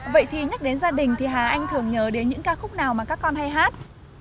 vậy thì nhắc đến gia đình thì hà anh thường nhớ đến những ca khúc nào mà các con hay hát